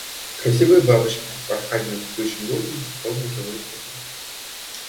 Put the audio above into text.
Красивые бабочки порхали над цветущим лугом, словно живые цветы.